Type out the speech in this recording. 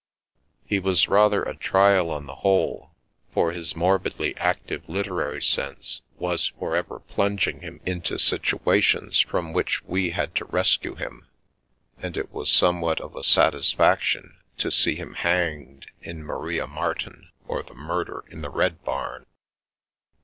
He was rather a trial on the whole, for his morbidly active literary sense was for ever plunging him into situations from which we had to rescue him, and it was somewhat of a satisfaction to see him hanged in " Maria Martin, or the Murder in the Red Barn."